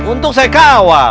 untuk saya ke awal